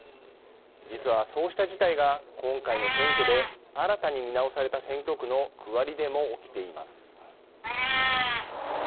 実はそうした事態が今回の選挙で新たに見直された選挙区の区割りでも起きています。